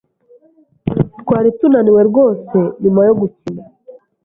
Twari tunaniwe rwose nyuma yo gukina.